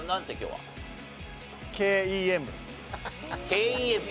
ＫＥＭ？